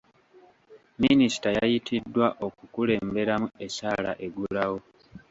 Minisita yayitiddwa okukulemberamu essaala eggulawo.